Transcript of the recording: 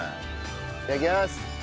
いただきます。